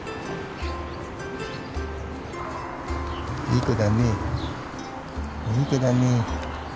いい子だねいい子だね。